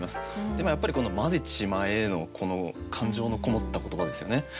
でもやっぱりこの「混ぜちまえ」の感情のこもった言葉ですよね。